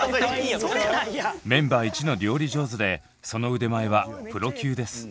メンバー１の料理上手でその腕前はプロ級です。